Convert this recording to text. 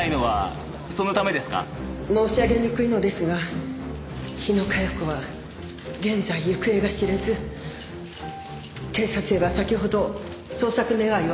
申し上げにくいのですが日野佳代子は現在行方が知れず警察へは先ほど捜索願を出させて頂いたところです。